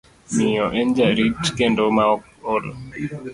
Miyo, en jarit kendo maok ol.